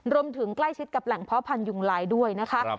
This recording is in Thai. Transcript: รวมถึงใกล้ชิดกับแหล่งเพาะพันธุยุงลายด้วยนะคะ